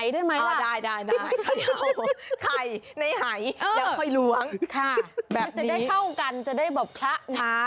ซึ่งจะได้เผากันจะได้เบาบพละ